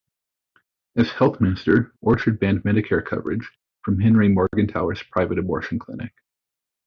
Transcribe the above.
As Health Minister, Orchard banned Medicare coverage from Henry Morgentaler's private abortion clinic.